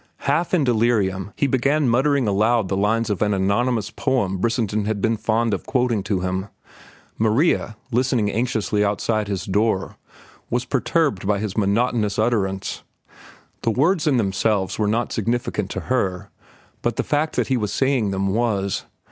Half in delirium, he began muttering aloud the lines of an anonymous poem Brissenden had been fond of quoting to him. Maria, listening anxiously outside his door, was perturbed by his monotonous utterance. The words in themselves were not significant to her, but the fact that he was saying them was.